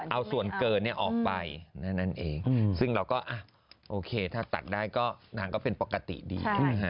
เอาส่วนเกินออกไปนั่นเองซึ่งเราก็โอเคถ้าตัดได้ก็นางก็เป็นปกติดี